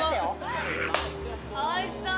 おいしそう。